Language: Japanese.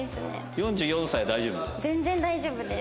４４歳大丈夫？